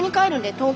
東京？